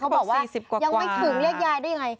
บอกว่ายังไม่ถึงเรียกยายได้ยังไง